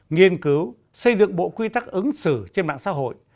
nghiên cứu xây dựng bộ quy tắc ứng xử trên mạng xã hội